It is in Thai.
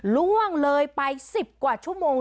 ล่วงเลยไป๑๐กว่าชั่วโมง